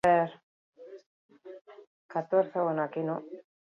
Erasotzaileak salatzen ez dituzten emakumeei zuzendutako kanpaina da bereziki.